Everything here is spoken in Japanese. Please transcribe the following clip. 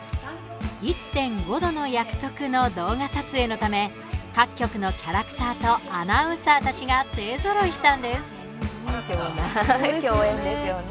「１．５℃の約束」の動画撮影のため各局のキャラクターとアナウンサーたちが勢ぞろいしたんです。